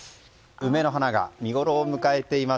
梅の花が見ごろを迎えています。